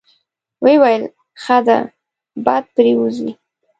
ویې ویل: ښه ده، باد پرې وځي.